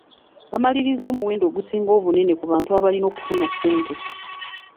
Bamalirizza omuwendo ogusinga obunene ku bantu abalina okufuna ssente.